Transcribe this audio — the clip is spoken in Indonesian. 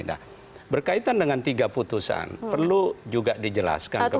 nah berkaitan dengan tiga putusan perlu juga dijelaskan kembali